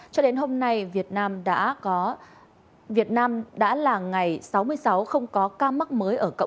cho đến hôm nay việt nam đã có